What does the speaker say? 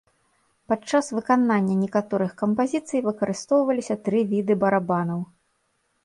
Падчас выканання некаторых кампазіцый выкарыстоўваліся тры віды барабанаў.